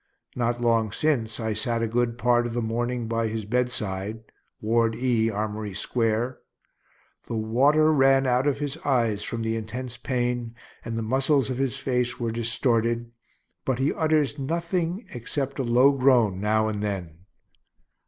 Not long since I sat a good part of the morning by his bedside, Ward E, Armory square; the water ran out of his eyes from the intense pain, and the muscles of his face were distorted, but he utters nothing except a low groan now and then.